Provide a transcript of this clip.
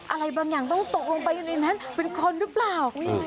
อะไรบางอย่างต้องตกลงไปอยู่ในนั้นเป็นคนหรือเปล่า